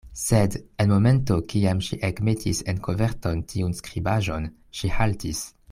Sed, en momento kiam ŝi ekmetis en koverton tiun skribaĵon, ŝi haltis.